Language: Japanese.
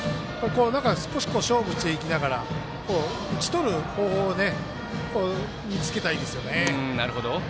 少し勝負していきながら打ち取る方法を見つけたいですね。